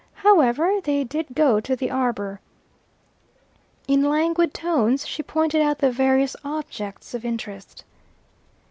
However, they did go to the arbour. In languid tones she pointed out the various objects of interest.